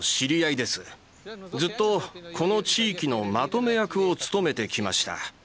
ずっとこの地域のまとめ役を務めてきました。